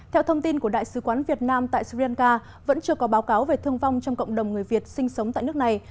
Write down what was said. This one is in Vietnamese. theo thông tin của đại sứ quán việt nam tại sri lanka vẫn chưa có báo cáo về thương vong trong cộng đồng người việt sinh sống tại nước này